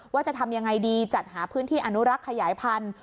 ว่าจะทำยังไงดีจัดหาพื้นที่อนุรักษ์ขยายพันธุ์